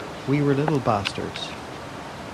We were little bastards.